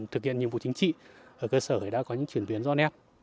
thực hiện nhiệm vụ chính trị ở cơ sở đã có những chuyển biến rõ nét